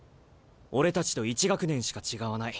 俺たちと１学年しか違わない。